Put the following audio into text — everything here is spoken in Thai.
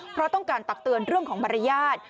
เพราะต้องการตักเตือนเรื่องของมารยาท